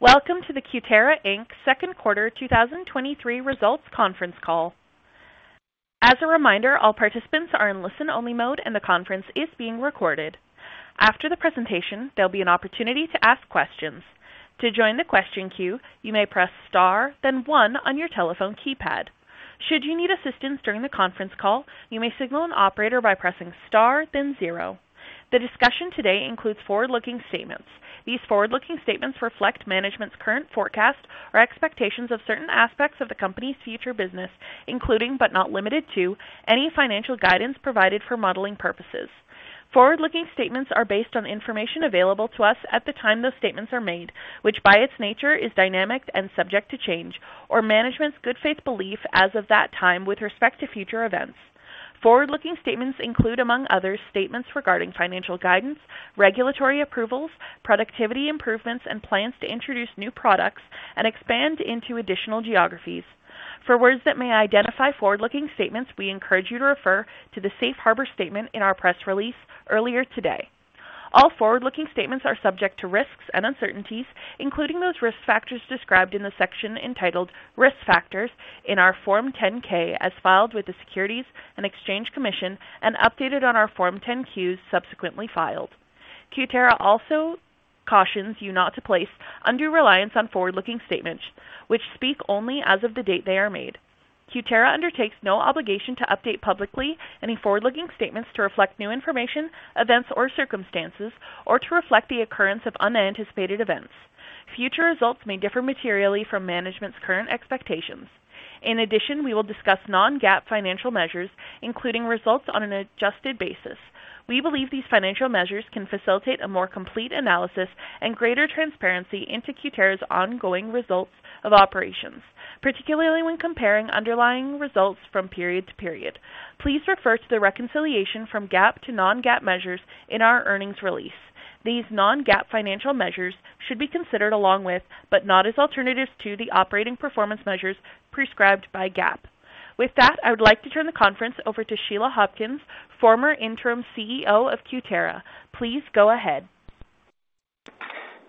Welcome to the Cutera Inc. Q2 2023 Results Conference Call. As a reminder, all participants are in listen-only mode, and the conference is being recorded. After the presentation, there'll be an opportunity to ask questions. To join the question queue, you may press Star, then one on your telephone keypad. Should you need assistance during the conference call, you may signal an operator by pressing Star, then zero. The discussion today includes forward-looking statements. These forward-looking statements reflect management's current forecast or expectations of certain aspects of the company's future business, including, but not limited to, any financial guidance provided for modeling purposes. Forward-looking statements are based on information available to us at the time those statements are made, which, by its nature, is dynamic and subject to change, or management's good faith belief as of that time with respect to future events. Forward-looking statements include, among others, statements regarding financial guidance, regulatory approvals, productivity improvements, and plans to introduce new products and expand into additional geographies. For words that may identify forward-looking statements, we encourage you to refer to the safe harbor statement in our press release earlier today. All forward-looking statements are subject to risks and uncertainties, including those risk factors described in the section entitled Risk Factors in our Form 10-K as filed with the Securities and Exchange Commission and updated on our Form 10-Qs subsequently filed. Cutera also cautions you not to place undue reliance on forward-looking statements, which speak only as of the date they are made. Cutera undertakes no obligation to update publicly any forward-looking statements to reflect new information, events or circumstances or to reflect the occurrence of unanticipated events. Future results may differ materially from management's current expectations. In addition, we will discuss non-GAAP financial measures, including results on an adjusted basis. We believe these financial measures can facilitate a more complete analysis and greater transparency into Cutera's ongoing results of operations, particularly when comparing underlying results from period to period. Please refer to the reconciliation from GAAP to non-GAAP measures in our earnings release. These non-GAAP financial measures should be considered along with, but not as alternatives to, the operating performance measures prescribed by GAAP. With that, I would like to turn the conference over to Sheila Hopkins, former Interim CEO of Cutera. Please go ahead.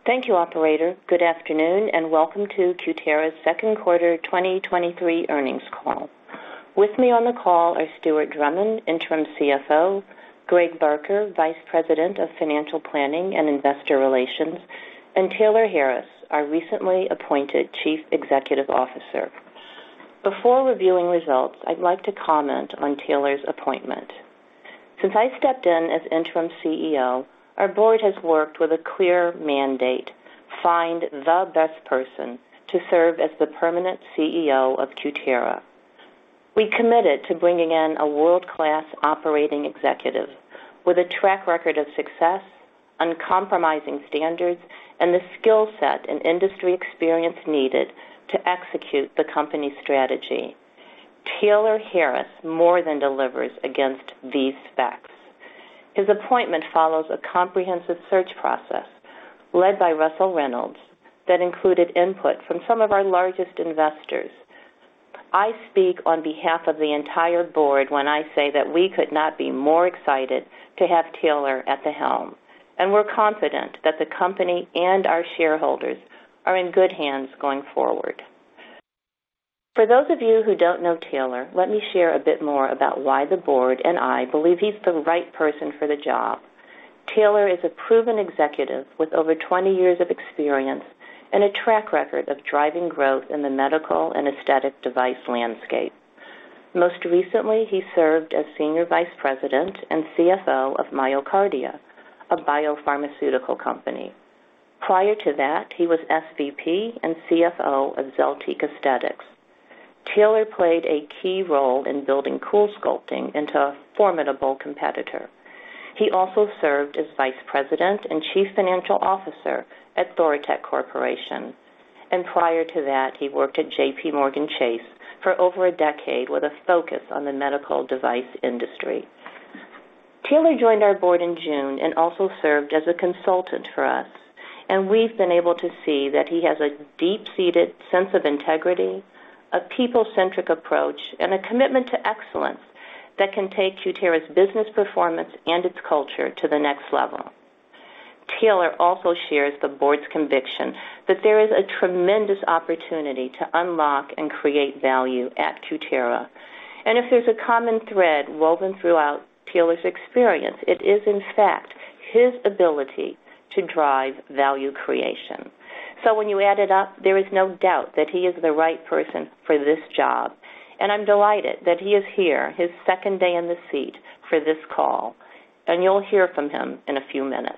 Thank you, operator. Good afternoon, and welcome to Cutera's Q2 2023 Earnings Call. With me on the call are Stuart Drummond, Interim CFO, Greg Barker, Vice President of Financial Planning and Investor Relations, and Taylor Harris, our recently appointed Chief Executive Officer. Before reviewing results, I'd like to comment on Taylor's appointment. Since I stepped in as Interim CEO, our board has worked with a clear mandate: find the best person to serve as the permanent CEO of Cutera. We committed to bringing in a world-class operating executive with a track record of success, uncompromising standards, and the skill set and industry experience needed to execute the company's strategy. Taylor Harris more than delivers against these specs. His appointment follows a comprehensive search process led by Russell Reynolds that included input from some of our largest investors. I speak on behalf of the entire board when I say that we could not be more excited to have Taylor at the helm, and we're confident that the company and our shareholders are in good hands going forward. For those of you who don't know Taylor, let me share a bit more about why the board and I believe he's the right person for the job. Taylor is a proven executive with over 20 years of experience and a track record of driving growth in the medical and aesthetic device landscape. Most recently, he served as Senior Vice President and CFO of MyoKardia, a biopharmaceutical company. Prior to that, he was SVP and CFO of ZELTIQ Aesthetics. Taylor played a key role in building CoolSculpting into a formidable competitor. He also served as Vice President and Chief Financial Officer at Thoratec Corporation, and prior to that, he worked at JPMorgan Chase for over a decade with a focus on the medical device industry. Taylor joined our board in June and also served as a consultant for us, and we've been able to see that he has a deep-seated sense of integrity, a people-centric approach, and a commitment to excellence that can take Cutera's business performance and its culture to the next level. Taylor also shares the board's conviction that there is a tremendous opportunity to unlock and create value at Cutera. If there's a common thread woven throughout Taylor's experience, it is, in fact, his ability to drive value creation. When you add it up, there is no doubt that he is the right person for this job, and I'm delighted that he is here, his second day in the seat for this call, and you'll hear from him in a few minutes.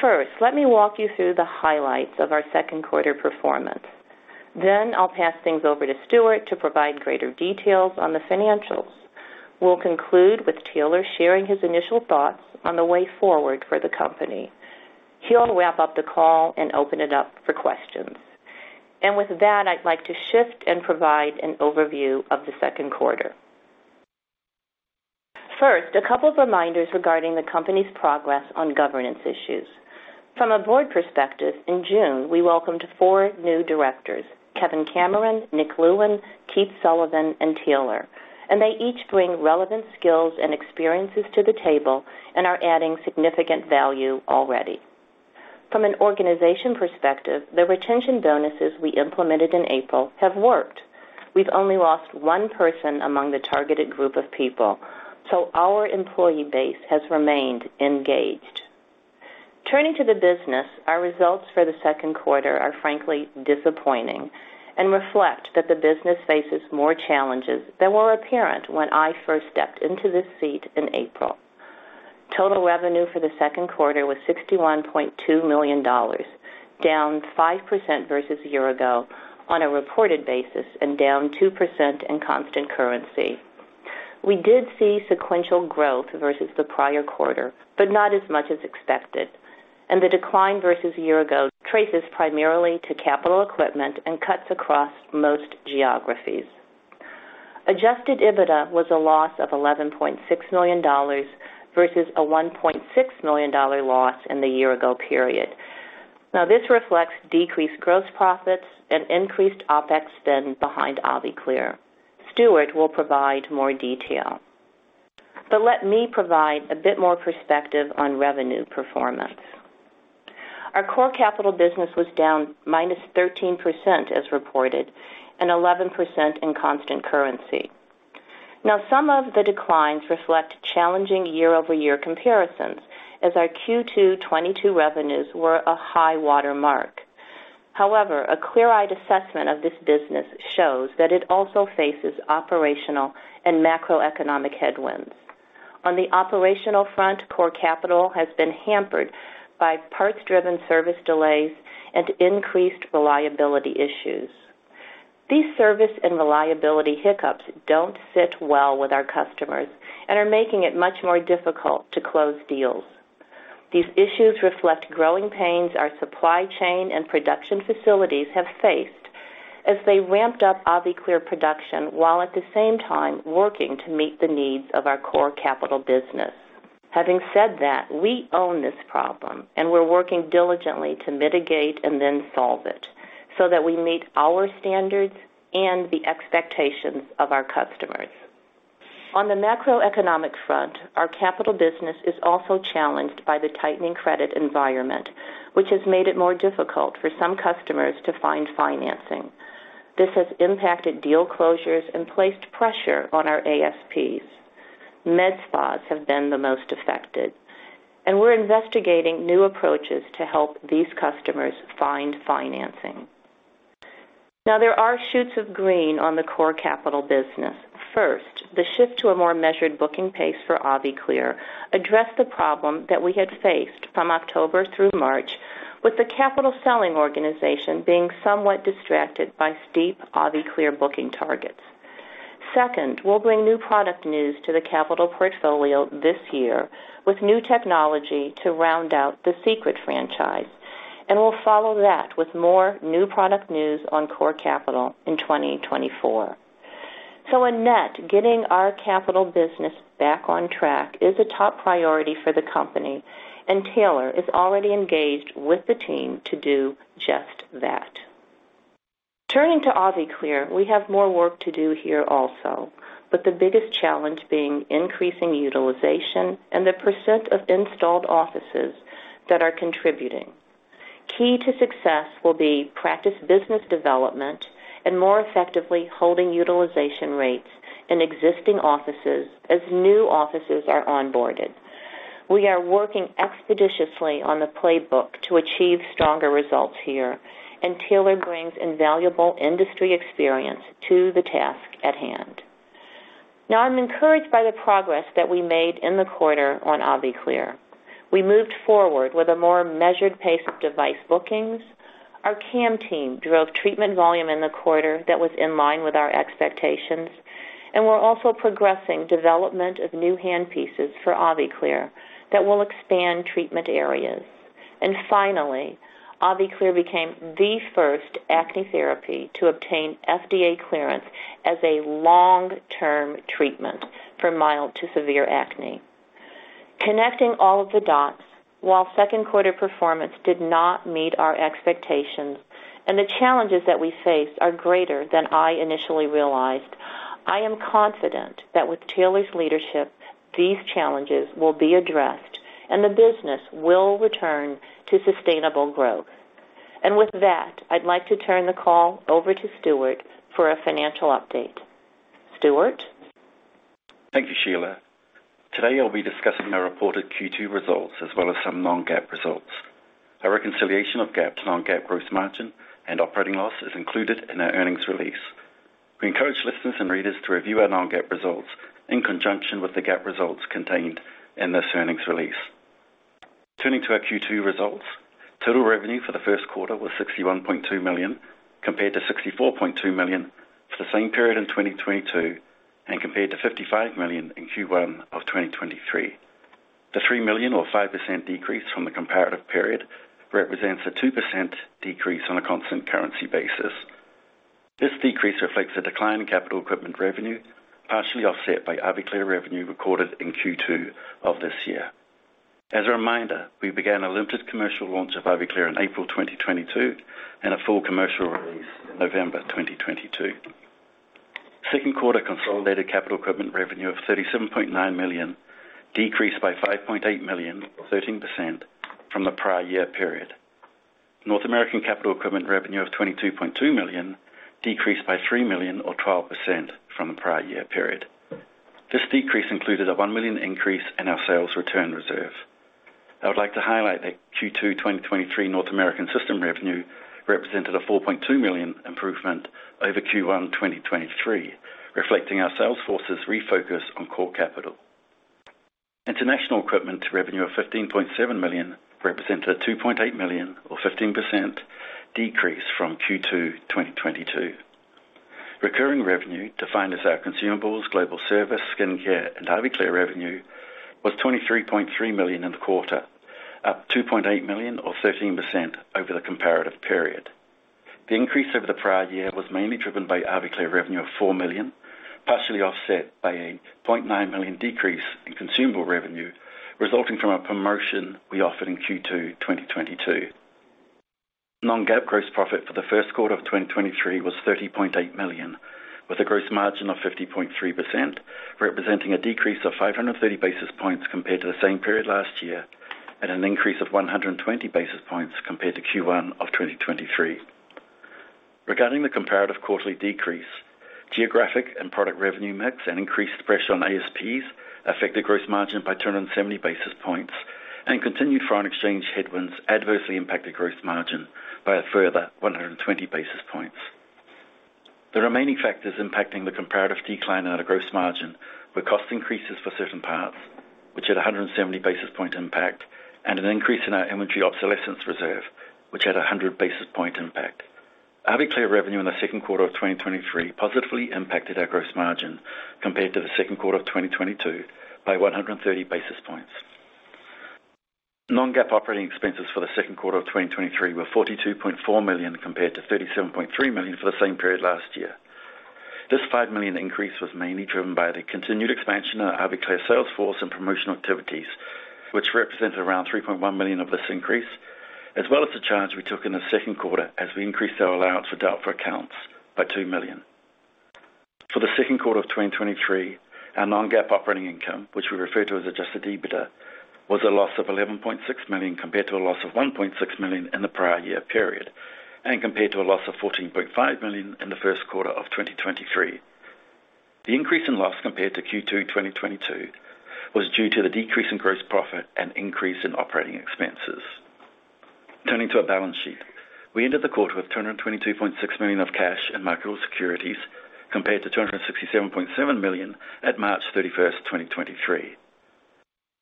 First, let me walk you through the highlights of our Q2 performance. I'll pass things over to Stuart to provide greater details on the financials. We'll conclude with Taylor sharing his initial thoughts on the way forward for the company. He'll wrap up the call and open it up for questions. With that, I'd like to shift and provide an overview of Q2. First, a couple of reminders regarding the company's progress on governance issues. From a board perspective, in June, we welcomed four new directors, Kevin Cameron, Nick Lewin, Keith Sullivan, and Taylor, and they each bring relevant skills and experiences to the table and are adding significant value already. From an organization perspective, the retention bonuses we implemented in April have worked. We've only lost one person among the targeted group of people, so our employee base has remained engaged. Turning to the business, our results for Q2 are frankly disappointing and reflect that the business faces more challenges than were apparent when I first stepped into this seat in April. Total revenue for Q2 was $61.2 million, down 5% versus a year ago on a reported basis and down 2% in constant currency. We did see sequential growth versus the prior quarter, but not as much as expected, and the decline versus a year ago traces primarily to capital equipment and cuts across most geographies. Adjusted EBITDA was a loss of $11.6 million versus a $1.6 million loss in the year ago period. Now, this reflects decreased gross profits and increased OpEx spend behind AviClear. Stuart will provide more detail, but let me provide a bit more perspective on revenue performance. Our core capital business was down -13% as reported, and 11% in constant currency. Now, some of the declines reflect challenging year-over-year comparisons as our Q2 2022 revenues were a high water mark. However, a clear-eyed assessment of this business shows that it also faces operational and macroeconomic headwinds. On the operational front, core capital has been hampered by parts-driven service delays and increased reliability issues. These service and reliability hiccups don't sit well with our customers and are making it much more difficult to close deals. These issues reflect growing pains our supply chain and production facilities have faced as they ramped up AviClear production, while at the same time working to meet the needs of our core capital business. Having said that, we own this problem, and we're working diligently to mitigate and then solve it, so that we meet our standards and the expectations of our customers. On the macroeconomic front, our capital business is also challenged by the tightening credit environment, which has made it more difficult for some customers to find financing. This has impacted deal closures and placed pressure on our ASPs. MedSpas have been the most affected, and we're investigating new approaches to help these customers find financing. Now, there are shoots of green on the core capital business. First, the shift to a more measured booking pace for AviClear addressed the problem that we had faced from October through March, with the capital selling organization being somewhat distracted by steep AviClear booking targets. Second, we'll bring new product news to the capital portfolio this year with new technology to round out the Secret franchise, and we'll follow that with more new product news on core capital in 2024. In net, getting our capital business back on track is a top priority for the company, and Taylor is already engaged with the team to do just that. Turning to AviClear, we have more work to do here also, but the biggest challenge being increasing utilization and the percent of installed offices that are contributing. Key to success will be practice business development and more effectively holding utilization rates in existing offices as new offices are onboarded. We are working expeditiously on the playbook to achieve stronger results here. Taylor brings invaluable industry experience to the task at hand. Now, I'm encouraged by the progress that we made in the quarter on AviClear. We moved forward with a more measured pace of device bookings. Our CAM team drove treatment volume in the quarter that was in line with our expectations. We're also progressing development of new hand pieces for AviClear that will expand treatment areas. Finally, AviClear became the first acne therapy to obtain FDA clearance as a long-term treatment for mild to severe acne. Connecting all of the dots, while Q2 performance did not meet our expectations and the challenges that we face are greater than I initially realized, I am confident that with Taylor's leadership, these challenges will be addressed and the business will return to sustainable growth. With that, I'd like to turn the call over to Stuart for a financial update. Stuart? Thank you, Sheila. Today, I'll be discussing our reported Q2 results as well as some non-GAAP results. A reconciliation of GAAP to non-GAAP growth margin and operating loss is included in our earnings release. We encourage listeners and readers to review our non-GAAP results in conjunction with the GAAP results contained in this earnings release. Turning to our Q2 results, total revenue for the first quarter was $61.2 million, compared to $64.2 million for the same period in 2022, and compared to $55 million in Q1 of 2023. The $3 million or 5% decrease from the comparative period represents a 2% decrease on a constant currency basis. This decrease reflects a decline in capital equipment revenue, partially offset by AviClear revenue recorded in Q2 of this year. As a reminder, we began a limited commercial launch of AviClear in April 2022, and a full commercial release in November 2022. Q2 consolidated capital equipment revenue of $37.9 million, decreased by $5.8 million, 13% from the prior year period. North American capital equipment revenue of $22.2 million, decreased by $3 million or 12% from the prior year period. This decrease included a $1 million increase in our sales return reserve. I would like to highlight that Q2 2023 North American system revenue represented a $4.2 million improvement over Q1 2023, reflecting our sales force's refocus on core capital. International equipment revenue of $15.7 million represented a $2.8 million or 15% decrease from Q2 2022. Recurring revenue, defined as our consumables, global service, skin care, and AviClear revenue, was $23.3 million in the quarter, up $2.8 million or 13% over the comparative period. The increase over the prior year was mainly driven by AviClear revenue of $4 million, partially offset by a $0.9 million decrease in consumable revenue, resulting from a promotion we offered in Q2, 2022. Non-GAAP gross profit for the first quarter of 2023 was $30.8 million, with a gross margin of 50.3%, representing a decrease of 530 basis points compared to the same period last year, and an increase of 120 basis points compared to Q1 of 2023. Regarding the comparative quarterly decrease, geographic and product revenue mix and increased pressure on ASPs affected gross margin by 270 basis points, and continued foreign exchange headwinds adversely impacted gross margin by a further 120 basis points. The remaining factors impacting the comparative decline on our gross margin were cost increases for certain parts, which had a 170 basis point impact, and an increase in our inventory obsolescence reserve, which had a 100 basis point impact. AviClear revenue in Q2 of 2023 positively impacted our gross margin compared to Q2 of 2022 by 130 basis points. Non-GAAP operating expenses for Q2 of 2023 were $42.4 million, compared to $37.3 million for the same period last year. This $5 million increase was mainly driven by the continued expansion of our AviClear sales force and promotional activities, which represented around $3.1 million of this increase, as well as the charge we took in Q2 as we increased our allowance for doubtful accounts by $2 million. For Q2 of 2023, our non-GAAP operating income, which we refer to as adjusted EBITDA, was a loss of $11.6 million, compared to a loss of $1.6 million in the prior year period, and compared to a loss of $14.5 million in the first quarter of 2023. The increase in loss compared to Q2 2022 was due to the decrease in gross profit and increase in operating expenses. Turning to our balance sheet. We ended the quarter with $222.6 million of cash and marketable securities, compared to $267.7 million at March 31st, 2023.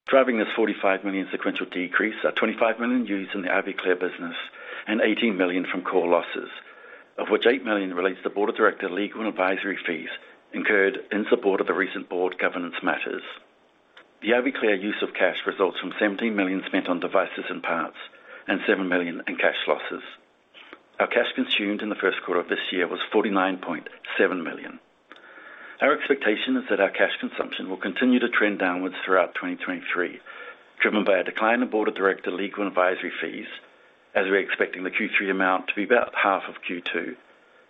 Driving this $45 million sequential decrease are $25 million used in the AviClear business and $18 million from core losses, of which $8 million relates to board of director legal and advisory fees incurred in support of the recent board governance matters. The AviClear use of cash results from $17 million spent on devices and parts and $7 million in cash losses. Our cash consumed in the first quarter of this year was $49.7 million. Our expectation is that our cash consumption will continue to trend downwards throughout 2023, driven by a decline in board of director legal and advisory fees, as we're expecting the Q3 amount to be about half of Q2,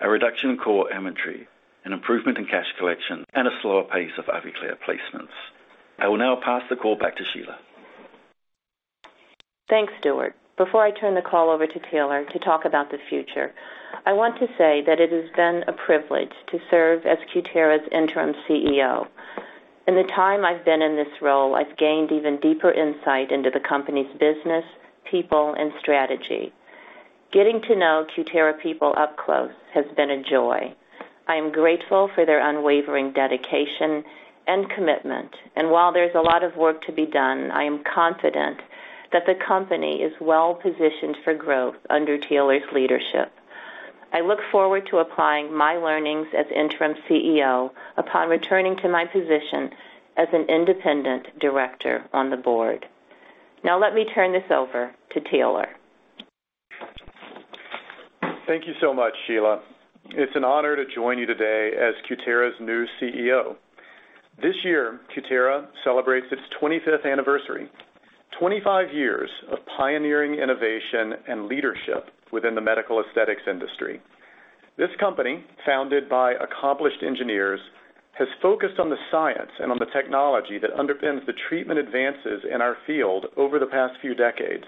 a reduction in core inventory, an improvement in cash collection, and a slower pace of AviClear placements. I will now pass the call back to Sheila. Thanks, Stuart. Before I turn the call over to Taylor to talk about the future, I want to say that it has been a privilege to serve as Cutera's interim CEO. In the time I've been in this role, I've gained even deeper insight into the company's business, people, and strategy. Getting to know Cutera people up close has been a joy. I am grateful for their unwavering dedication and commitment, and while there's a lot of work to be done, I am confident that the company is well positioned for growth under Taylor's leadership. I look forward to applying my learnings as interim CEO upon returning to my position as an independent director on the board. Now let me turn this over to Taylor. Thank you so much, Sheila. It's an honor to join you today as Cutera's new CEO. This year, Cutera celebrates its 25th anniversary. 25 years of pioneering innovation and leadership within the medical aesthetics industry. This company, founded by accomplished engineers, has focused on the science and on the technology that underpins the treatment advances in our field over the past few decades.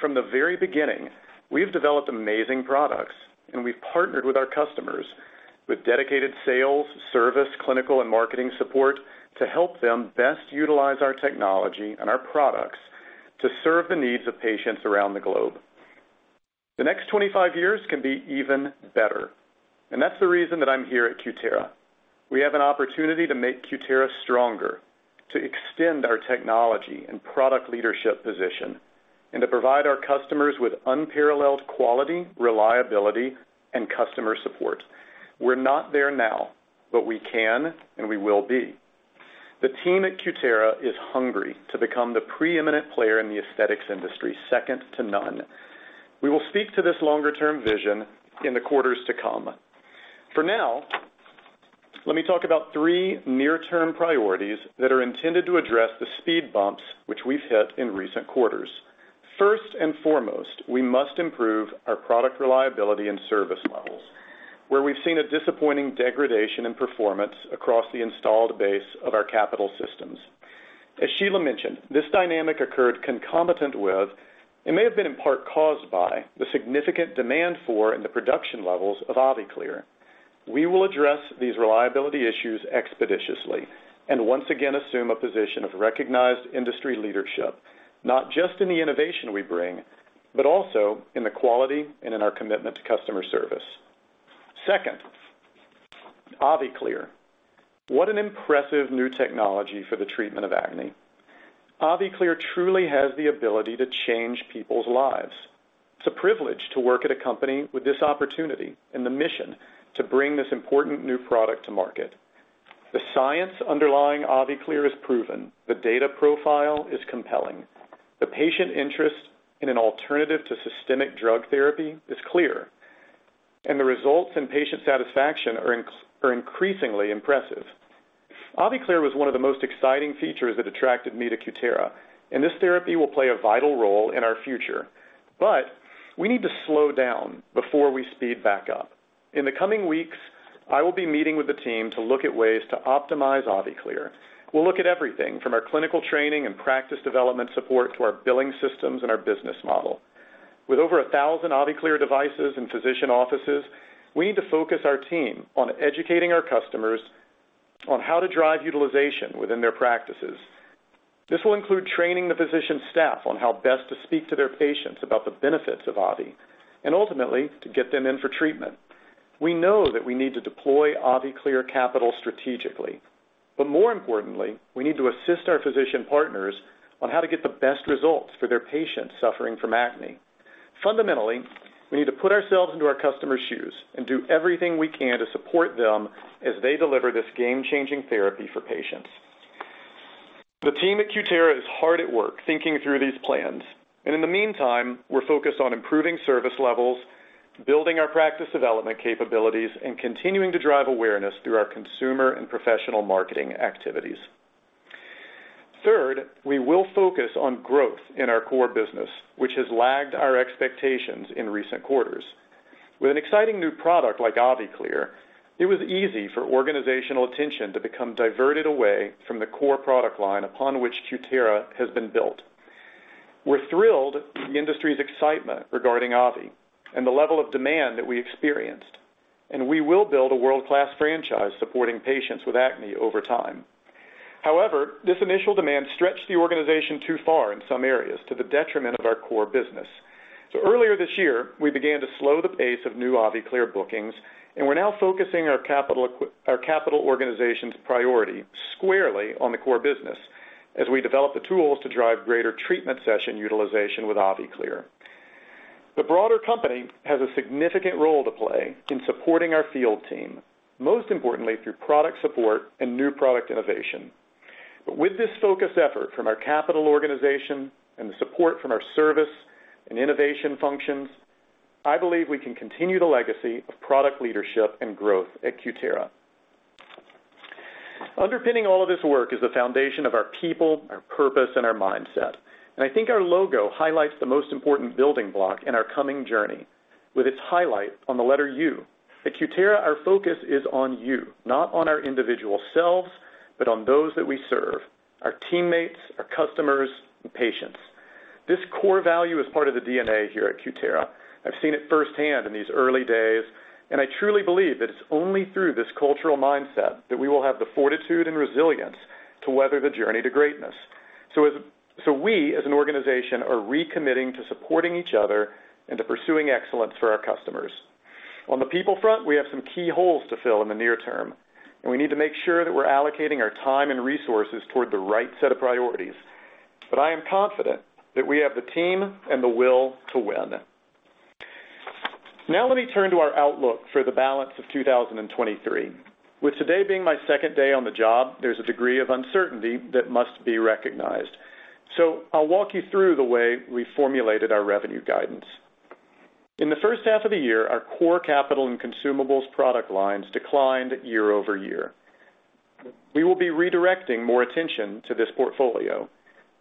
From the very beginning, we've developed amazing products, and we've partnered with our customers with dedicated sales, service, clinical, and marketing support to help them best utilize our technology and our products to serve the needs of patients around the globe. The next 25 years can be even better, and that's the reason that I'm here at Cutera. We have an opportunity to make Cutera stronger, to extend our technology and product leadership position, and to provide our customers with unparalleled quality, reliability, and customer support. We're not there now, but we can and we will be. The team at Cutera is hungry to become the preeminent player in the aesthetics industry, second to none. We will speak to this longer-term vision in the quarters to come. For now, let me talk about three near-term priorities that are intended to address the speed bumps which we've hit in recent quarters. First and foremost, we must improve our product reliability and service levels, where we've seen a disappointing degradation in performance across the installed base of our capital systems. As Sheila mentioned, this dynamic occurred concomitant with, and may have been in part caused by, the significant demand for and the production levels of AviClear. We will address these reliability issues expeditiously and once again assume a position of recognized industry leadership, not just in the innovation we bring, but also in the quality and in our commitment to customer service. Second, AviClear. What an impressive new technology for the treatment of acne! AviClear truly has the ability to change people's lives. It's a privilege to work at a company with this opportunity and the mission to bring this important new product to market. The science underlying AviClear is proven, the data profile is compelling, the patient interest in an alternative to systemic drug therapy is clear, and the results and patient satisfaction are increasingly impressive. AviClear was one of the most exciting features that attracted me to Cutera, and this therapy will play a vital role in our future. We need to slow down before we speed back up. In the coming weeks, I will be meeting with the team to look at ways to optimize AviClear. We'll look at everything from our clinical training and practice development support to our billing systems and our business model. With over 1,000 AviClear devices in physician offices, we need to focus our team on educating our customers on how to drive utilization within their practices. This will include training the physician staff on how best to speak to their patients about the benefits of AviClear, and ultimately, to get them in for treatment. We know that we need to deploy AviClear capital strategically, but more importantly, we need to assist our physician partners on how to get the best results for their patients suffering from acne. Fundamentally, we need to put ourselves into our customers' shoes and do everything we can to support them as they deliver this game-changing therapy for patients. The team at Cutera is hard at work thinking through these plans, and in the meantime, we're focused on improving service levels, building our practice development capabilities, and continuing to drive awareness through our consumer and professional marketing activities. Third, we will focus on growth in our core capital business, which has lagged our expectations in recent quarters. With an exciting new product like AviClear, it was easy for organizational attention to become diverted away from the core product line upon which Cutera has been built. We're thrilled with the industry's excitement regarding Avi and the level of demand that we experienced, and we will build a world-class franchise supporting patients with acne over time. This initial demand stretched the organization too far in some areas to the detriment of our core business. Earlier this year, we began to slow the pace of new AviClear bookings, and we're now focusing our capital organization's priority squarely on the core business as we develop the tools to drive greater treatment session utilization with AviClear. The broader company has a significant role to play in supporting our field team, most importantly, through product support and new product innovation. With this focused effort from our capital organization and the support from our service and innovation functions, I believe we can continue the legacy of product leadership and growth at Cutera. Underpinning all of this work is the foundation of our people, our purpose, and our mindset, and I think our logo highlights the most important building block in our coming journey. With its highlight on the letter U, at Cutera, our focus is on you, not on our individual selves, but on those that we serve, our teammates, our customers, and patients. This core value is part of the DNA here at Cutera. I've seen it firsthand in these early days, and I truly believe that it's only through this cultural mindset that we will have the fortitude and resilience to weather the journey to greatness. We, as an organization, are recommitting to supporting each other and to pursuing excellence for our customers. On the people front, we have some key holes to fill in the near term, and we need to make sure that we're allocating our time and resources toward the right set of priorities. I am confident that we have the team and the will to win. Let me turn to our outlook for the balance of 2023. With today being my second day on the job, there's a degree of uncertainty that must be recognized. I'll walk you through the way we formulated our revenue guidance. In the first half of the year, our core capital and consumables product lines declined year-over-year. We will be redirecting more attention to this portfolio.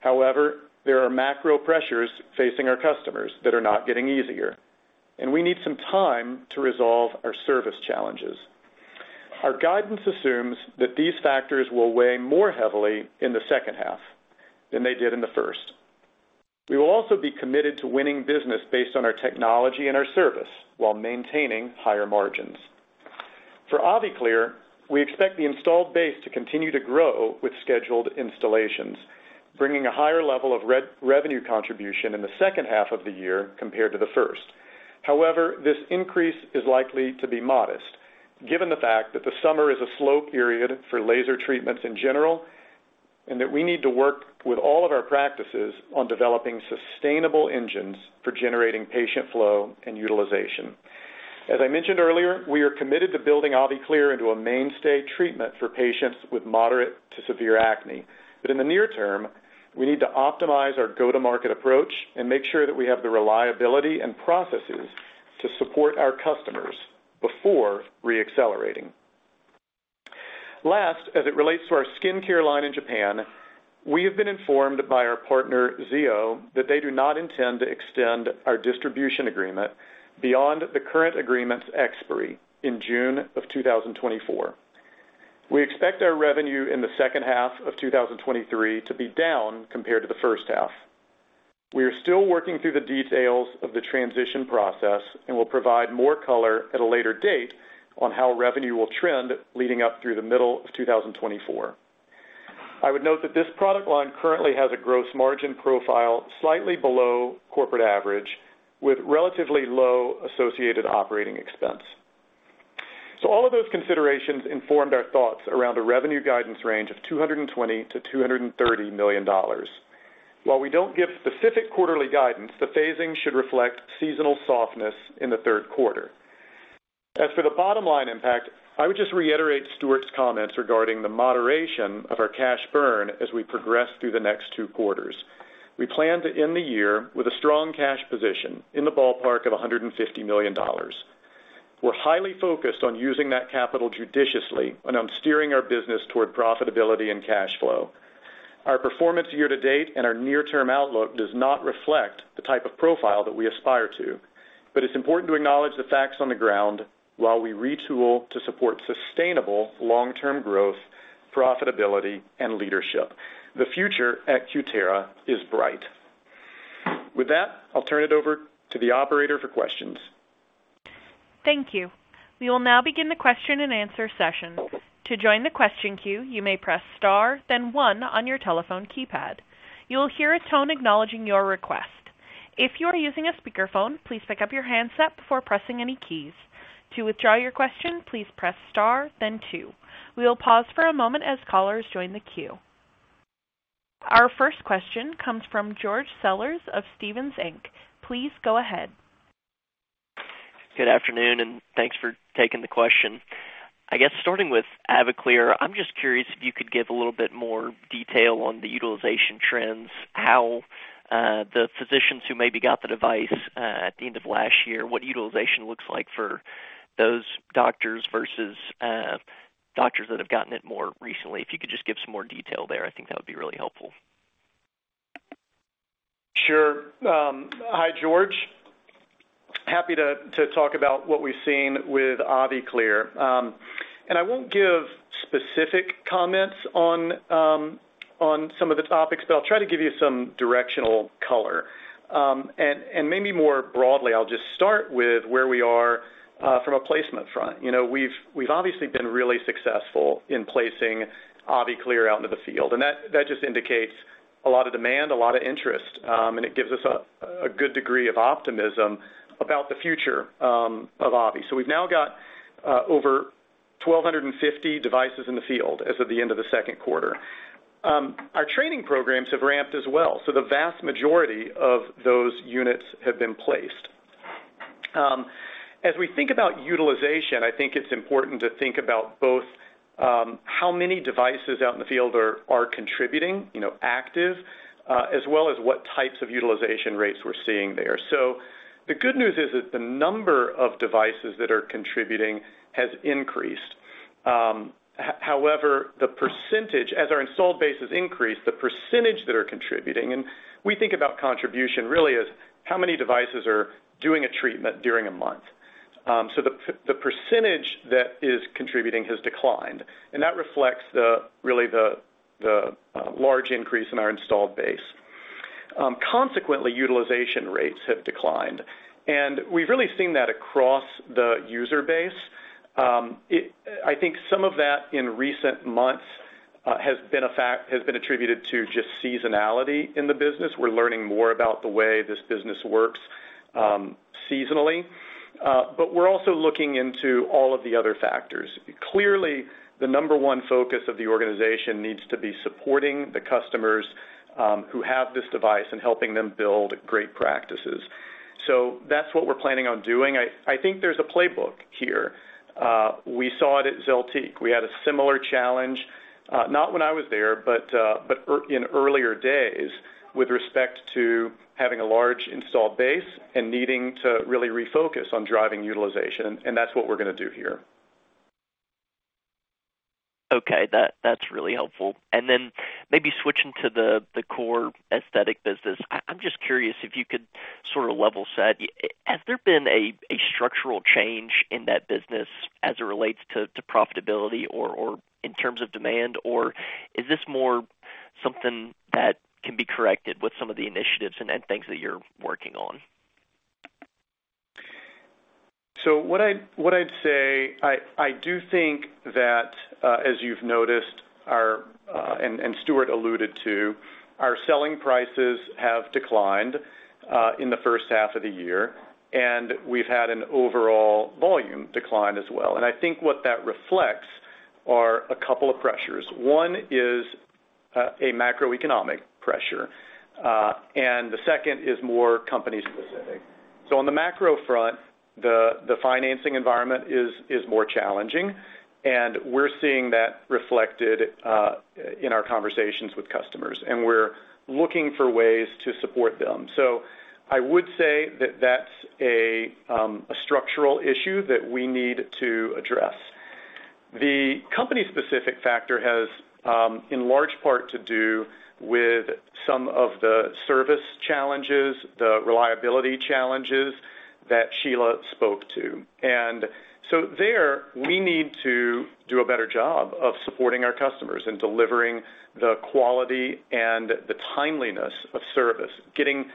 However, there are macro pressures facing our customers that are not getting easier, and we need some time to resolve our service challenges. Our guidance assumes that these factors will weigh more heavily in the second half than they did in the first. We will also be committed to winning business based on our technology and our service while maintaining higher margins. For AviClear, we expect the installed base to continue to grow with scheduled installations, bringing a higher level of re-revenue contribution in the second half of the year compared to the first. However, this increase is likely to be modest, given the fact that the summer is a slow period for laser treatments in general, and that we need to work with all of our practices on developing sustainable engines for generating patient flow and utilization. As I mentioned earlier, we are committed to building AviClear into a mainstay treatment for patients with moderate to severe acne. In the near term, we need to optimize our go-to-market approach and make sure that we have the reliability and processes to support our customers before re-accelerating. Last, as it relates to our skin care line in Japan, we have been informed by our partner, ZO, that they do not intend to extend our distribution agreement beyond the current agreement's expiry in June 2024. We expect our revenue in the second half of 2023 to be down compared to the first half. We are still working through the details of the transition process and will provide more color at a later date on how revenue will trend leading up through the middle of 2024. I would note that this product line currently has a gross margin profile slightly below corporate average, with relatively low associated operating expense. All of those considerations informed our thoughts around a revenue guidance range of $220 million-$230 million. While we don't give specific quarterly guidance, the phasing should reflect seasonal softness in the third quarter. As for the bottom line impact, I would just reiterate Stuart's comments regarding the moderation of our cash burn as we progress through the next two quarters. We plan to end the year with a strong cash position in the ballpark of $150 million. We're highly focused on using that capital judiciously and on steering our business toward profitability and cash flow. Our performance year-to-date and our near-term outlook does not reflect the type of profile that we aspire to, but it's important to acknowledge the facts on the ground while we retool to support sustainable long-term growth, profitability, and leadership. The future at Cutera is bright. With that, I'll turn it over to the operator for questions. Thank you. We will now begin the question-and-answer session. To join the question queue, you may press Star, then one on your telephone keypad. You will hear a tone acknowledging your request. If you are using a speakerphone, please pick up your handset before pressing any keys. To withdraw your question, please press Star then two. We will pause for a moment as callers join the queue. Our first question comes from George Sellers of Stephens, Inc. Please go ahead. Good afternoon. Thanks for taking the question. I guess starting with AviClear, I'm just curious if you could give a little bit more detail on the utilization trends, how the physicians who maybe got the device at the end of last year, what utilization looks like for those doctors versus doctors that have gotten it more recently. If you could just give some more detail there, I think that would be really helpful. Sure. Hi, George. Happy to, to talk about what we've seen with AviClear. I won't give specific comments on some of the topics, but I'll try to give you some directional color. Maybe more broadly, I'll just start with where we are from a placement front. We've obviously been really successful in placing AviClear out into the field, and that just indicates a lot of demand, a lot of interest, and it gives us a good degree of optimism about the future of Avi. We've now got over 1,250 devices in the field as of the end of Q2. Our training programs have ramped as well, so the vast majority of those units have been placed. As we think about utilization, I think it's important to think about both, how many devices out in the field are, are contributing, you know, active, as well as what types of utilization rates we're seeing there. The good news is that the number of devices that are contributing has increased. However, the percentage, as our installed base has increased, the percentage that are contributing, and we think about contribution really as how many devices are doing a treatment during a month. The percentage that is contributing has declined, and that reflects the, really the, the, large increase in our installed base. Consequently, utilization rates have declined, and we've really seen that across the user base. I think some of that in recent months has been a fact- has been attributed to just seasonality in the business. We're learning more about the way this business works, seasonally, but we're also looking into all of the other factors. Clearly, the number one focus of the organization needs to be supporting the customers, who have this device and helping them build great practices. That's what we're planning on doing. I, I think there's a playbook here. We saw it at ZELTIQ. We had a similar challenge, not when I was there, but in earlier days with respect to having a large installed base and needing to really refocus on driving utilization, and that's what we're going to do here. Okay. That, that's really helpful. Then maybe switching to the, the core aesthetic business, I, I'm just curious if you could sort of level set. Has there been a, a structural change in that business as it relates to, profitability or, in terms of demand, or is this more something that can be corrected with some of the initiatives and, and things that you're working on? What I'd, what I'd say, I, I do think that, as you've noticed, our, and Stuart alluded to, our selling prices have declined in the first half of the year, and we've had an overall volume decline as well. I think what that reflects are a couple of pressures. One is a macroeconomic pressure, and the second is more company specific. On the macro front, the, the financing environment is, is more challenging, and we're seeing that reflected in our conversations with customers, and we're looking for ways to support them. I would say that that's a structural issue that we need to address. The company-specific factor has in large part to do with some of the service challenges, the reliability challenges that Sheila spoke to. There, we need to do a better job of supporting our customers and delivering the quality and the timeliness of service, getting,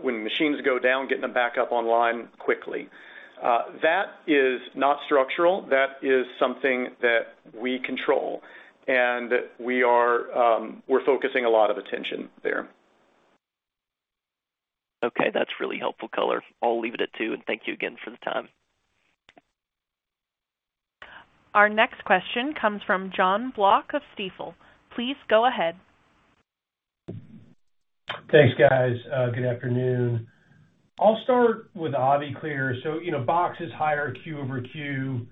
when machines go down, getting them back up online quickly. That is not structural. That is something that we control, and we're focusing a lot of attention there. Okay, that's really helpful color. I'll leave it at two, and thank you again for the time. Our next question comes from Jon Block of Stifel. Please go ahead. Thanks, guys. Good afternoon. I'll start with AviClear. You know, boxes higher Q-over-Q,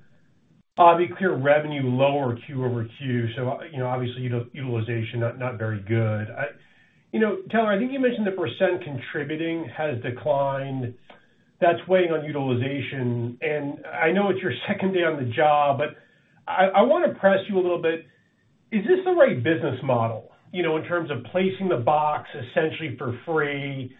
AviClear revenue, lower Q-over-Q. You know, obviously, utilization not, not very good. You know, Taylor, I think you mentioned the percent contributing has declined. That's weighing on utilization, and I know it's your second day on the job, but I, I wanna press you a little bit. Is this the right business model, you know, in terms of placing the box essentially for free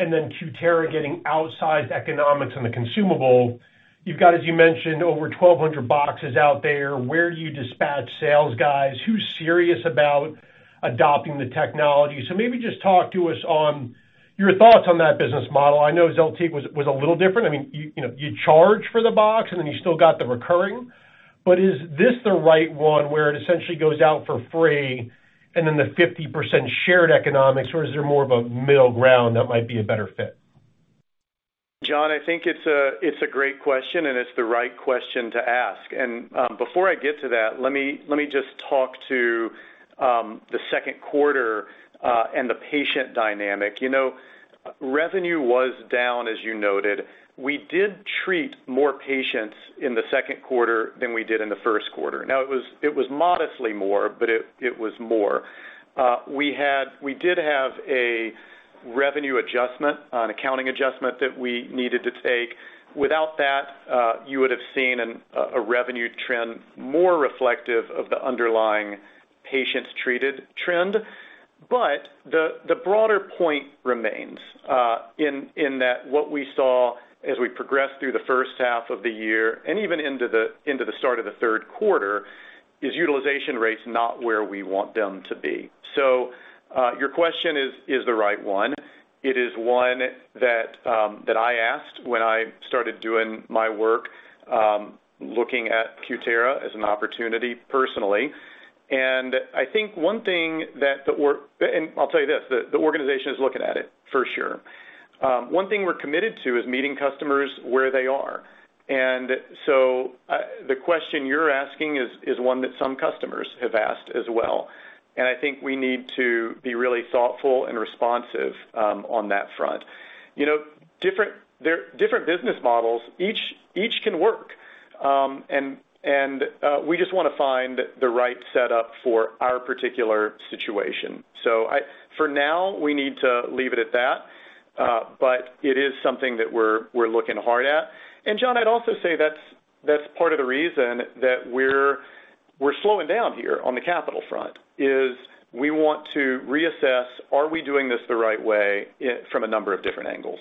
and then Cutera getting outsized economics on the consumable? You've got, as you mentioned, over 1,200 boxes out there. Where do you dispatch sales guys? Who's serious about adopting the technology? Maybe just talk to us on your thoughts on that business model. I know ZELTIQ was, was a little different. I mean, you, you know, you charge for the box, and then you still got the recurring. Is this the right one, where it essentially goes out for free and then the 50% shared economics, or is there more of a middle ground that might be a better fit? Jon, I think it's a, it's a great question, and it's the right question to ask. Before I get to that, let me, just talk to Q2 and the patient dynamic. You know, revenue was down, as you noted. We did treat more patients in Q2 than we did in the first quarter. Now, it was, it was modestly more, but it, it was more. We did have a revenue adjustment, an accounting adjustment that we needed to take. Without that, you would have seen a revenue trend more reflective of the underlying patients-treated trend. The broader point remains, in that what we saw as we progressed through the first half of the year and even into the, into the start of the third quarter, is utilization rates not where we want them to be. Your question is, is the right one. It is one that I asked when I started doing my work, looking at Cutera as an opportunity personally. I think one thing that the org... I'll tell you this, the, the organization is looking at it for sure. One thing we're committed to is meeting customers where they are. The question you're asking is, is one that some customers have asked as well, and I think we need to be really thoughtful and responsive on that front. Different business models, each, each can work, and we just wanna find the right setup for our particular situation. For now, we need to leave it at that, but it is something that we're, we're looking hard at. Jon, I'd also say that's, that's part of the reason that we're, we're slowing down here on the capital front, is we want to reassess, are we doing this the right way it, from a number of different angles?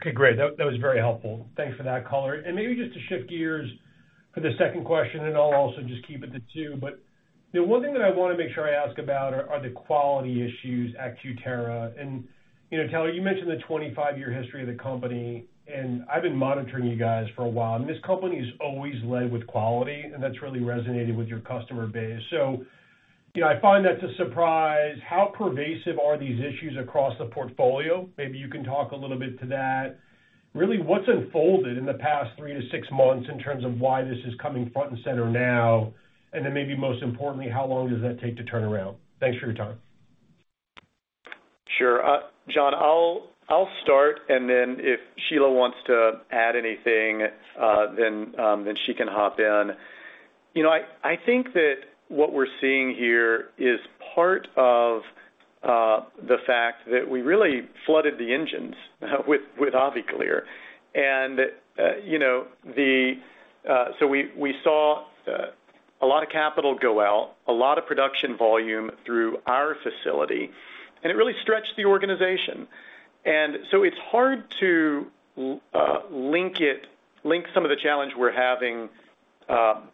Okay, great. That was very helpful. Thanks for that color. Maybe just to shift gears for the second question, I'll also just keep it to 2, the one thing that I wanna make sure I ask about are the quality issues at Cutera. Taylor, you mentioned the 25-year history of the company, and I've been monitoring you guys for a while, and this company has always led with quality, and that's really resonated with your customer base. I find that's a surprise. How pervasive are these issues across the portfolio? Maybe you can talk a little bit to that. Really, what's unfolded in the past 3-6 months in terms of why this is coming front and center now? Maybe most importantly, how long does that take to turn around? Thanks for your time. Sure. Jon, I'll start, and then if Sheila wants to add anything, then she can hop in. I think that what we're seeing here is part of the fact that we really flooded the engines with, with AviClear. We, we saw a lot of capital go out, a lot of production volume through our facility, and it really stretched the organization. It's hard to link it, link some of the challenge we're having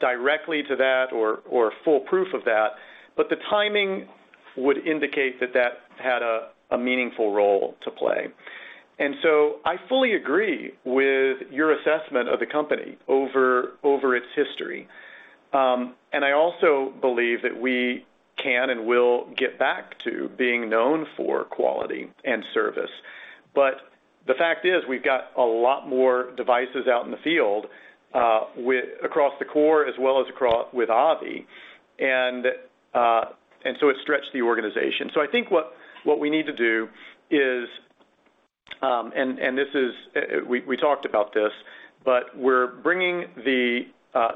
directly to that or full proof of that, but the timing would indicate that that had a meaningful role to play. I fully agree with your assessment of the company over, over its history. I also believe that we can and will get back to being known for quality and service. The fact is, we've got a lot more devices out in the field, across the core as well as across with Avi, and so it stretched the organization. I think what we need to do is. This is, we talked about this, but we're bringing the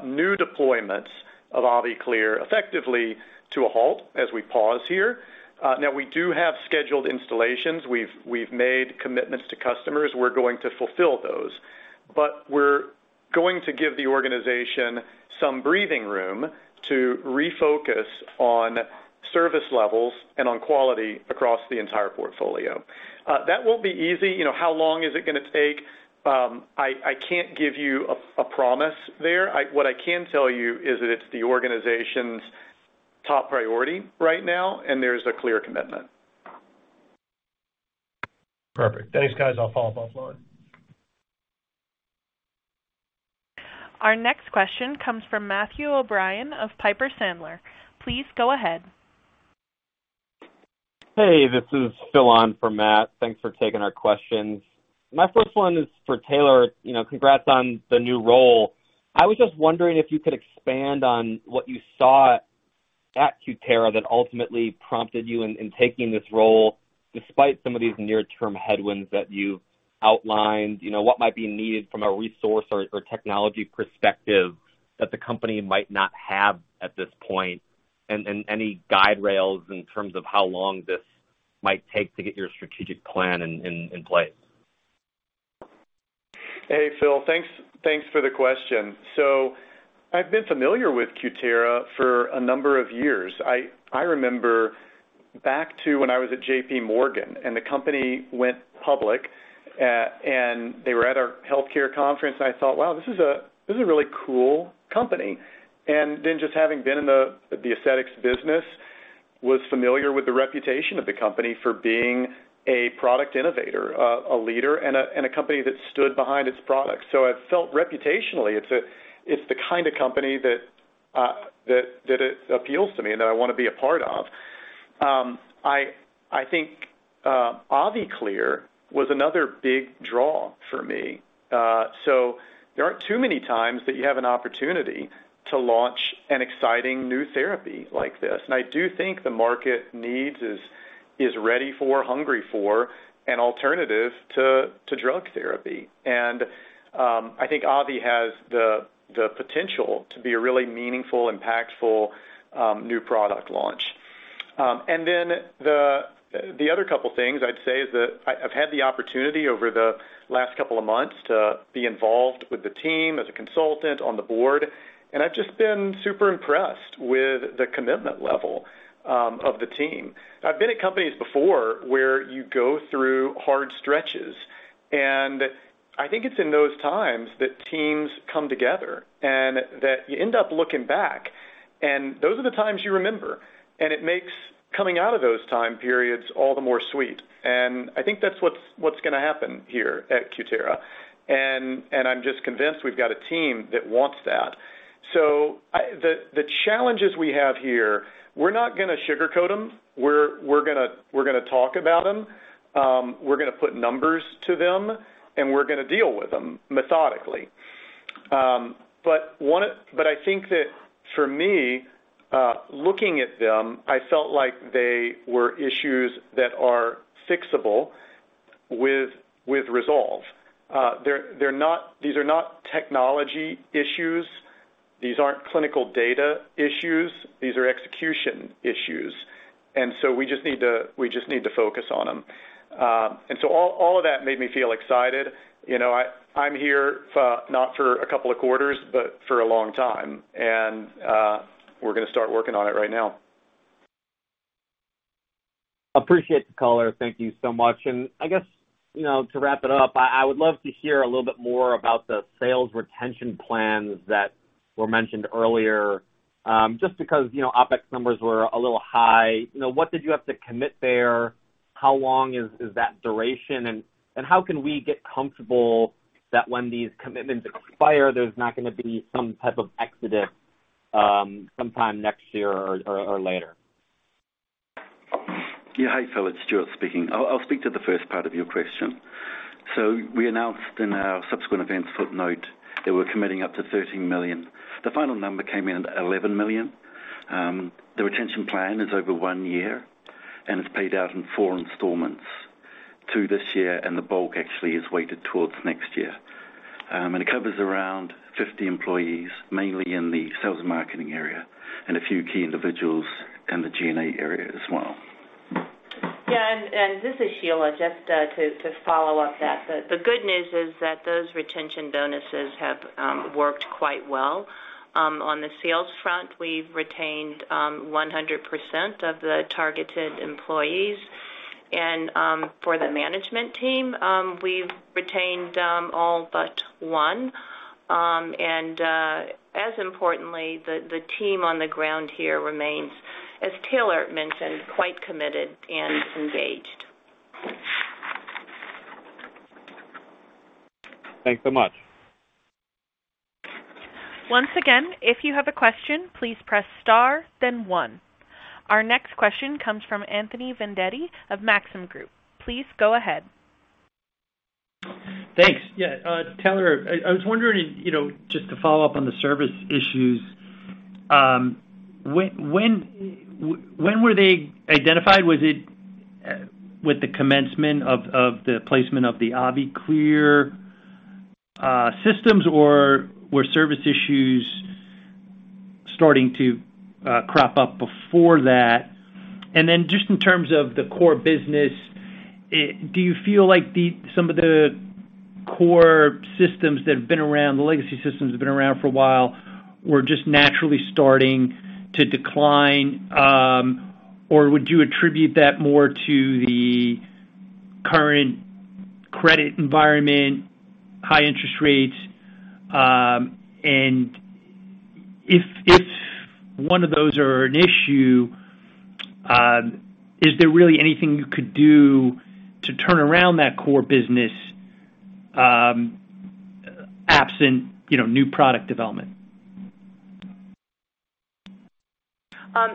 new deployments of AviClear effectively to a halt as we pause here. We do have scheduled installations. We've made commitments to customers. We're going to fulfill those, but we're going to give the organization some breathing room to refocus on service levels and on quality across the entire portfolio. That won't be easy. You know, how long is it gonna take? I can't give you a promise there. What I can tell you is that it's the organization's top priority right now, and there's a clear commitment. Perfect. Thanks, guys. I'll follow up offline. Our next question comes from Matthew O'Brien of Piper Sandler. Please go ahead. Hey, this is Phil on for Matt. Thanks for taking our questions. My first one is for Taylor. You know, congrats on the new role. I was just wondering if you could expand on what you saw at Cutera that ultimately prompted you in taking this role, despite some of these near-term headwinds that you outlined. What might be needed from a resource or technology perspective that the company might not have at this point, and any guide rails in terms of how long this might take to get your strategic plan in place? Hey, Phil, thanks, thanks for the question. I've been familiar with Cutera for a number of years. I remember back to when I was at JPMorgan and the company went public, and they were at our healthcare conference, and I thought, "Wow, this is a, this is a really cool company." Then just having been in the, the aesthetics business, was familiar with the reputation of the company for being a product innovator, a leader and a company that stood behind its products. It felt reputationally, it's the kind of company that it appeals to me and that I want to be a part of. I think AviClear was another big draw for me. There aren't too many times that you have an opportunity to launch an exciting new therapy like this. I do think the market needs is, is ready for, hungry for an alternative to, to drug therapy. Avi has the, the potential to be a really meaningful, impactful, new product launch. Then the, the other couple things I'd say is that I've had the opportunity over the last couple of months to be involved with the team as a consultant on the board, and I've just been super impressed with the commitment level of the team. I've been at companies before where you go through hard stretches, and I think it's in those times that teams come together and that you end up looking back, and those are the times you remember, and it makes coming out of those time periods all the more sweet. I think that's what's gonna happen here at Cutera. I'm just convinced we've got a team that wants that. The challenges we have here, we're not gonna sugarcoat them. We're gonna talk about them, we're gonna put numbers to them, and we're gonna deal with them methodically. I think that for me, looking at them, I felt like they were issues that are fixable with resolve. They're, they're not, these are not technology issues, these aren't clinical data issues, these are execution issues. We just need to, we just need to focus on them. All, all of that made me feel excited. You know, I, I'm here for not for a couple of quarters, but for a long time, and we're gonna start working on it right now. Appreciate the call. Thank you so much. I guess, you know, to wrap it up, I would love to hear a little bit more about the sales retention plans that were mentioned earlier. Just because, you know, OpEx numbers were a little high. What did you have to commit there? How long is, is that duration? How can we get comfortable that when these commitments expire, there's not gonna be some type of exodus, sometime next year or, or later? Yeah. Hi, Phil, it's Stuart speaking. I'll speak to the first part of your question. We announced in our subsequent events footnote that we're committing up to $13 million. The final number came in at $11 million. The retention plan is over 1 year, and it's paid out in 4 installments, 2 this year, and the bulk actually is weighted towards next year. It covers around 50 employees, mainly in the sales and marketing area, and a few key individuals in the G&A area as well. Yeah, and, this is Sheila. Just to, to follow up that, the good news is that those retention bonuses have worked quite well. On the sales front, we've retained 100% of the targeted employees. For the management team, we've retained all but one. As importantly, the, the team on the ground here remains, as Taylor mentioned, quite committed and engaged. Thanks so much. Once again, if you have a question, please press star, then one. Our next question comes from Anthony Vendetti of Maxim Group. Please go ahead. Thanks. Yeah, Taylor, I, I was wondering, you know, just to follow up on the service issues, when were they identified? Was it with the commencement of, of the placement of the AviClear systems, or were service issues starting to crop up before that? Then just in terms of the core business, do you feel like some of the core systems that have been around, the legacy systems that have been around for a while, were just naturally starting to decline, or would you attribute that more to the current credit environment, high interest rates? If one of those are an issue, is there really anything you could do to turn around that core business, absent, you know, new product development?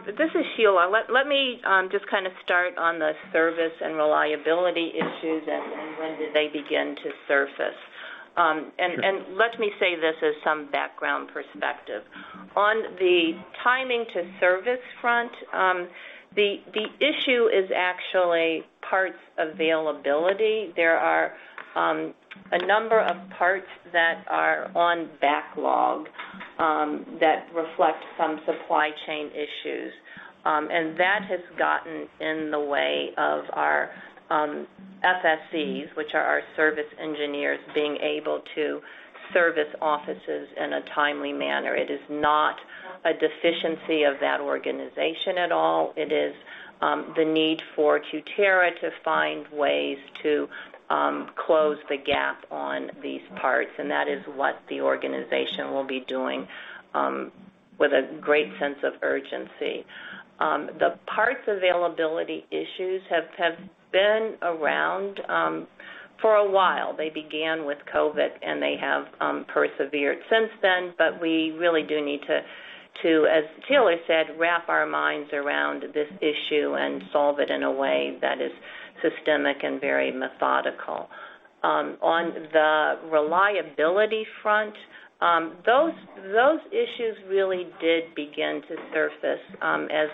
This is Sheila. Let, let me just kind of start on the service and reliability issues and, and when did they begin to surface. Let me say this as some background perspective. On the timing to service front, the, the issue is actually parts availability. There are a number of parts that are on backlog that reflect some supply chain issues. That has gotten in the way of our FSCs, which are our service engineers, being able to service offices in a timely manner. It is not a deficiency of that organization at all. It is the need for Cutera to find ways to close the gap on these parts, and that is what the organization will be doing with a great sense of urgency. The parts availability issues have been around for a while. They began with COVID, and they have persevered since then, but we really do need to, as Taylor said, wrap our minds around this issue and solve it in a way that is systemic and very methodical. On the reliability front, those issues really did begin to surface as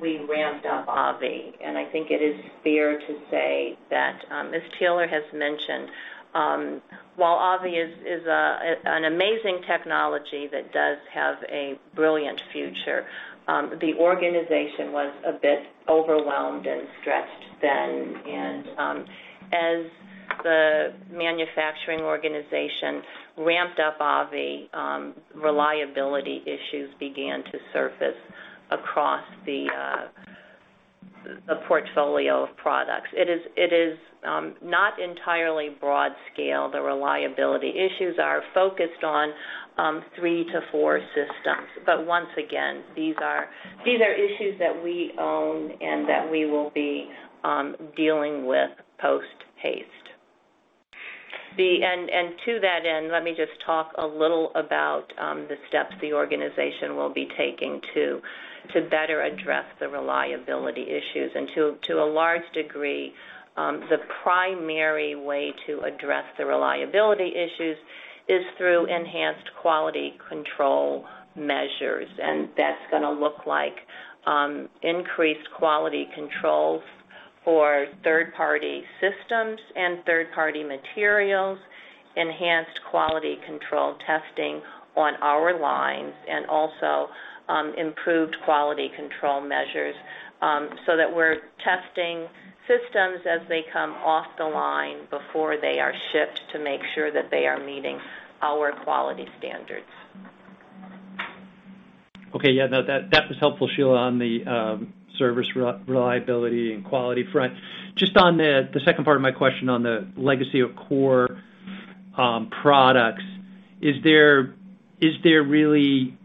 we ramped up AviClear, and I think it is fair to say that, as Taylor has mentioned, while AviClear is an amazing technology that does have a brilliant future, the organization was a bit overwhelmed and stretched then. As the manufacturing organization ramped up AviClear, reliability issues began to surface across the portfolio of products. It is not entirely broad scale. The reliability issues are focused on 3 to 4 systems. Once again, these are issues that we own and that we will be dealing with post haste. To that end, let me just talk a little about the steps the organization will be taking to better address the reliability issues. To a large degree, the primary way to address the reliability issues is through enhanced quality control measures, and that's gonna look like increased quality controls for third-party systems and third-party materials, enhanced quality control testing on our lines, also improved quality control measures so that we're testing systems as they come off the line before they are shipped to make sure that they are meeting our quality standards. Okay. Yeah, no, that was helpful, Sheila, on the service reliability and quality front. Just on the second part of my question on the legacy of core products, is there really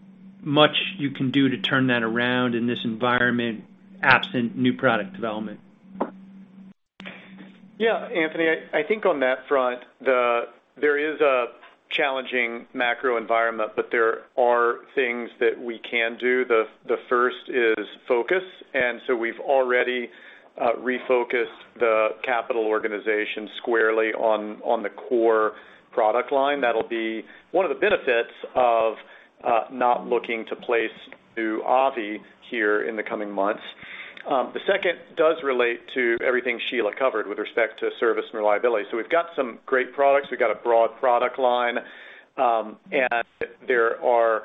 much you can do to turn that around in this environment absent new product development? Anthony, I, I think on that front, there is a challenging macro environment, but there are things that we can do. The first is focus. We've already refocused the capital organization squarely on the core product line. That'll be one of the benefits of not looking to place new AviClear in the coming months. The second does relate to everything Sheila covered with respect to service and reliability. We've got some great products. We've got a broad product line, and there are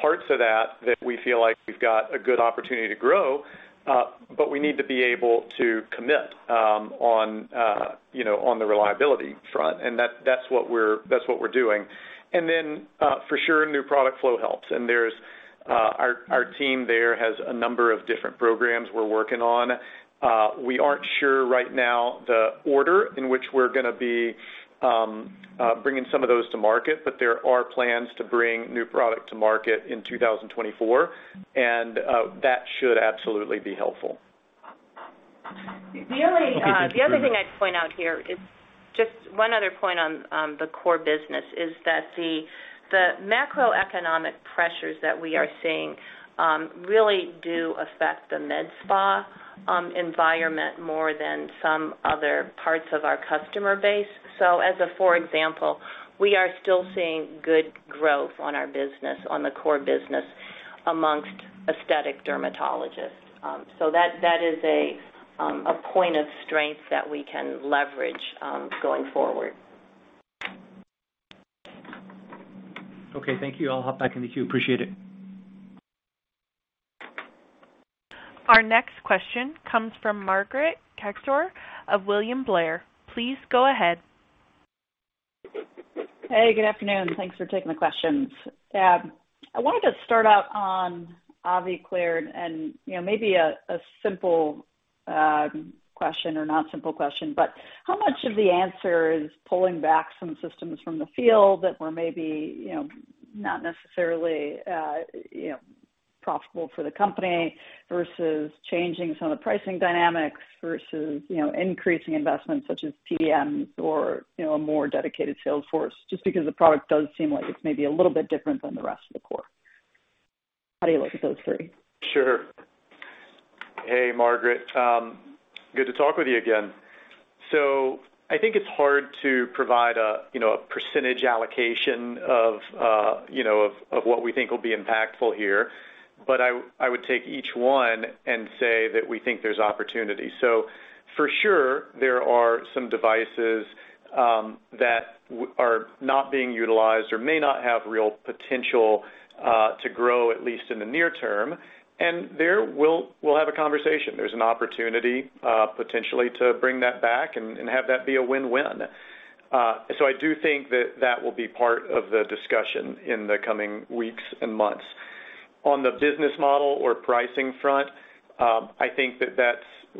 parts of that that we feel like we've got a good opportunity to grow, but we need to be able to commit on, you know, on the reliability front, and that's what we're doing. For sure, new product flow helps, and there's our our team there has a number of different programs we're working on. We aren't sure right now the order in which we're gonna be bringing some of those to market, but there are plans to bring new product to market in 2024, and that should absolutely be helpful. Really, the other thing I'd point out here is just one other point on the core business, is that the, the macroeconomic pressures that we are seeing, really do affect the med spa environment more than some other parts of our customer base. For example, we are still seeing good growth on our business, on the core business amongst aesthetic dermatologists. That, that is a, a point of strength that we can leverage, going forward. Okay, thank you. I'll hop back in the queue. Appreciate it. Our next question comes from Margaret Kaczor of William Blair. Please go ahead. Hey, good afternoon. Thanks for taking the questions. I wanted to start out on AviClear and, you know, maybe a simple question or not simple question. How much of the answer is pulling back some systems from the field that were maybe, you know, not necessarily, you know, profitable for the company, versus changing some of the pricing dynamics versus, you know, increasing investments such as PDMs or, you know, a more dedicated sales force? Just because the product does seem like it's maybe a little bit different than the rest of the core. How do you look at those three? Sure. Hey, Margaret, good to talk with you again. I think it's hard to provide a, you know, a percentage allocation of, you know, of, of what we think will be impactful here. I would take each one and say that we think there's opportunity. For sure, there are some devices, that are not being utilized or may not have real potential, to grow, at least in the near term, and there we'll, we'll have a conversation. There's an opportunity, potentially to bring that back and, and have that be a win-win. I do think that that will be part of the discussion in the coming weeks and months. On the business model or pricing front, I think that that's...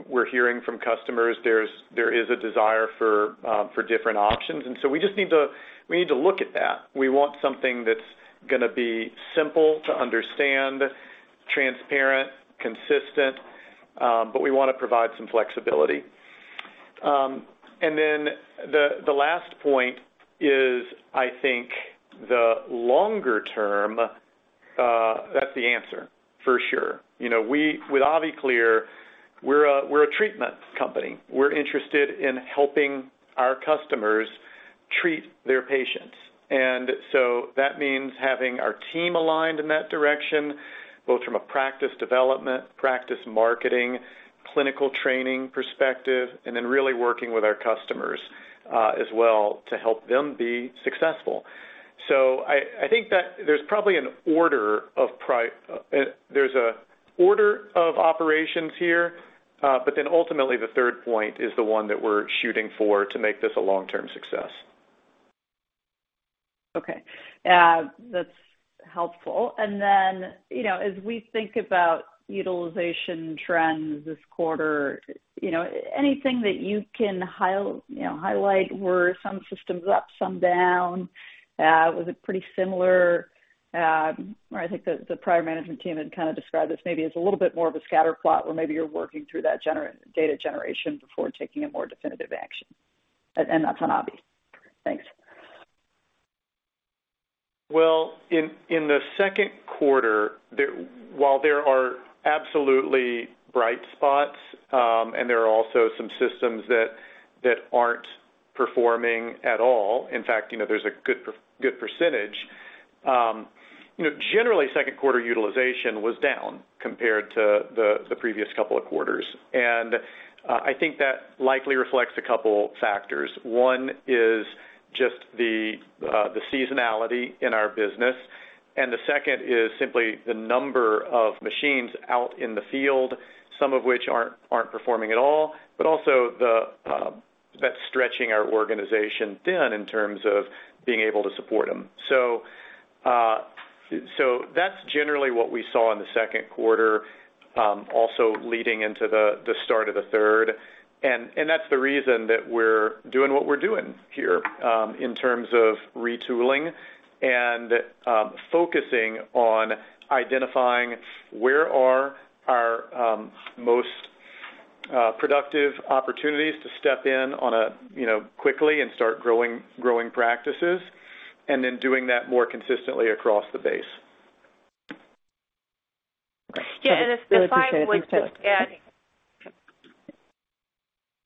We're hearing from customers there is a desire for different options, and so we need to look at that. We want something that's gonna be simple to understand, transparent, consistent, but we wanna provide some flexibility. Then the, the last point is, I think, the longer term, that's the answer for sure. With AviClear, we're a treatment company. We're interested in helping our customers treat their patients, and so that means having our team aligned in that direction, both from a practice development, practice marketing, clinical training perspective, and then really working with our customers, as well to help them be successful. I think that there's probably an order of there's an order of operations here, but then ultimately, the third point is the one that we're shooting for to make this a long-term success. Okay, that's helpful. You know, as we think about utilization trends this quarter, you know, anything that you can you know, highlight, were some systems up, some down? Was it pretty similar? I think the prior management team had kind of described this maybe as a little bit more of a scatter plot, where maybe you're working through that data generation before taking a more definitive action. That's on Avi. Thanks. Well, in Q2, while there are absolutely bright spots, and there are also some systems that aren't performing at all, in fact, you know, there's a good percentage. Generally, Q2 utilization was down compared to the previous couple of quarters, and I think that likely reflects a couple factors. One is just the seasonality in our business, and the second is simply the number of machines out in the field, some of which aren't performing at all. Also, that's stretching our organization thin in terms of being able to support them. That's generally what we saw in Q2, also leading into the start of the third. That's the reason that we're doing what we're doing here, in terms of retooling and focusing on identifying where are our most productive opportunities to step in on a, you know, quickly and start growing, growing practices, and then doing that more consistently across the base. Okay. Really appreciate it. Yeah, if I would just add.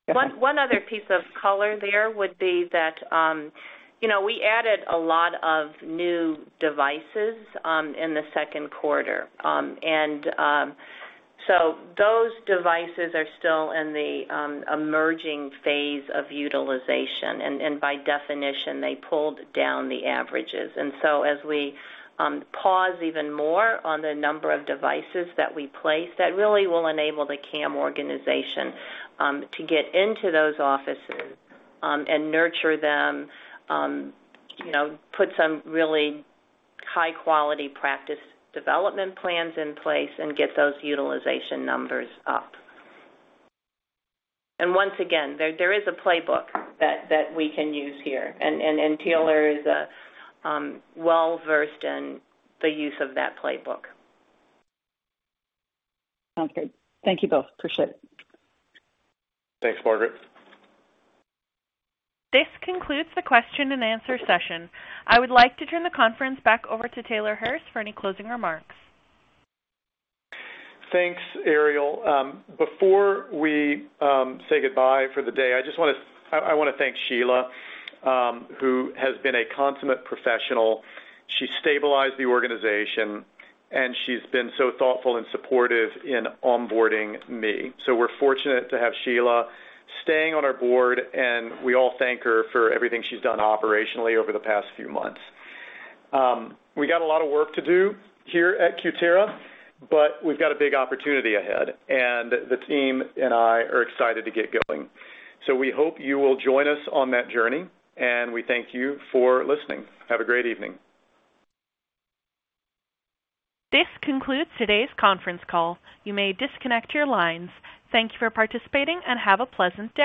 Go ahead. One, other piece of color there would be that, you know, we added a lot of new devices in Q2. Those devices are still in the emerging phase of utilization, and by definition, they pulled down the averages. As we pause even more on the number of devices that we place, that really will enable the CAM organization to get into those offices and nurture them. Put some really high-quality practice development plans in place and get those utilization numbers up. Once again, there, there is a playbook that we can use here, and Taylor is well versed in the use of that playbook. Sounds good. Thank you both. Appreciate it. Thanks, Margaret. This concludes the question and answer session. I would like to turn the conference back over to Taylor Harris for any closing remarks. Thanks, Ariel. Before we say goodbye for the day, I just wanna thank Sheila, who has been a consummate professional. She stabilized the organization, and she's been so thoughtful and supportive in onboarding me. We're fortunate to have Sheila staying on our board, and we all thank her for everything she's done operationally over the past few months. We got a lot of work to do here at Cutera, but we've got a big opportunity ahead, and the team and I are excited to get going. We hope you will join us on that journey, and we thank you for listening. Have a great evening. This concludes today's conference call. You may disconnect your lines. Thank you for participating and have a pleasant day.